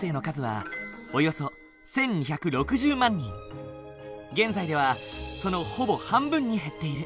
現在ではそのほぼ半分に減っている。